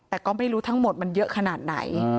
แต่ก็ไม่รู้ทั้งหมดมันเยอะขนาดไหน